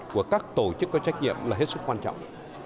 của các tổ chức có trách nhiệm là hết sức quan trọng